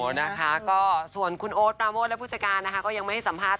โอ้โหนะคะส่วนคุณโอ๊ตประโมทและผู้จักรก็ยังไม่ให้สัมภาษณ์